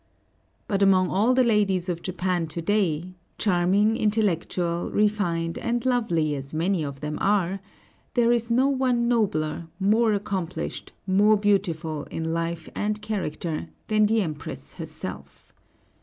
But among all the ladies of Japan to day, charming, intellectual, refined, and lovely as many of them are, there is no one nobler, more accomplished, more beautiful in life and character, than the Empress herself.